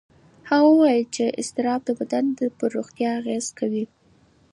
هغه وویل چې اضطراب د بدن پر روغتیا اغېز کوي.